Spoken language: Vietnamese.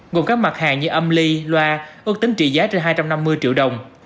gồm các mặt hàng như âm ly loa ước tính trị giá trên hai trăm năm mươi triệu đồng